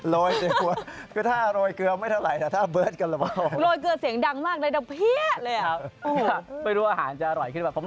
โรยเกลือแค่ถ้าโรยเกลือไม่เท่าไรแต่ถ้าเบิร์ดกันสำหรับเรา